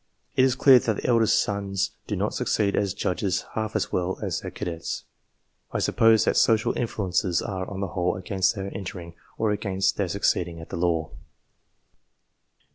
It is clear that the eldest sons do not succeed as judges half as well as the cadets. I suppose that social influences are, on the whole, against their entering, or against their succeeding at the law.